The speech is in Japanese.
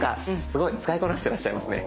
すごい使いこなしていらっしゃいますね。